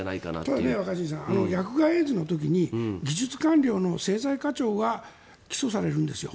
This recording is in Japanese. ただね、若新さん薬害エイズの時に技術課長が起訴されるんですよ。